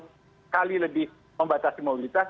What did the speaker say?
kita harus sepuluh kali lebih membatasi mobilitas